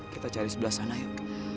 kita cari sebelah sana yuk